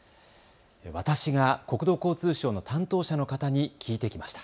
私が国土交通省の担当者の方に聞いてきました。